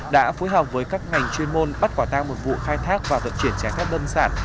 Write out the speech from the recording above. đã phối hợp với các ngành chuyên môn bắt quả tang một vụ khai thác và vận chuyển trái phép lâm sản